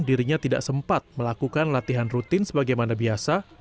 dirinya tidak sempat melakukan latihan rutin sebagaimana biasa